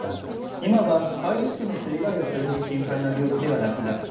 今は、ハイリスクの人以外はそれほど心配な病気ではなくなった。